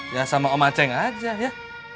ya sama om maceng aja ya